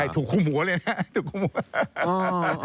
ถูกกุ้มหัวเลยนะฮะ